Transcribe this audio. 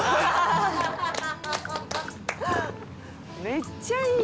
「めっちゃいい！」